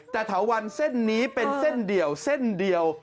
แต่เถาวันเส้นนี้เป็นเส้นเดี่ยวเส้นเดียว